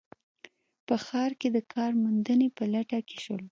په ښار کې د کار موندنې په لټه کې شول